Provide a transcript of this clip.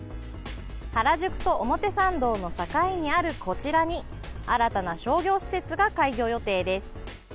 原宿と表参道の境にあるこちらに新たな商業施設が開業予定です。